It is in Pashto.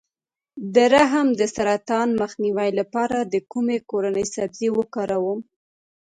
د رحم د سرطان مخنیوي لپاره د کومې کورنۍ سبزي وکاروم؟